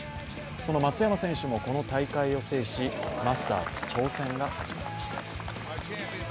その松山選手もこの大会を制しマスターズ挑戦が始まりました。